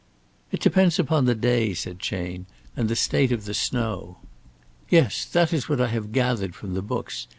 "It depends upon the day," said Chayne, "and the state of the snow." "Yes, that is what I have gathered from the books.